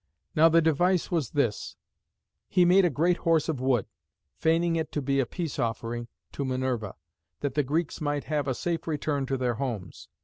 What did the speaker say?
Now the device was this: he made a great Horse of wood, feigning it to be a peace offering to Minerva, that the Greeks might have a safe return to their homes.